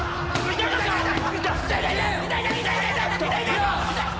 痛い！